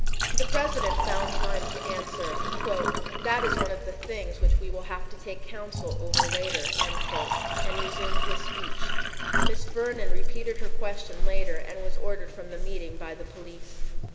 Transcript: The President found time to answer, "That is one of the things which we will have to take counsel over later," and resumed his speech. Miss Vernon repeated her question later and was ordered from the meeting by the police.